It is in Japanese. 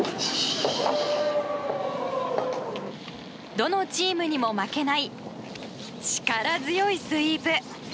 どのチームにも負けない力強いスイープ。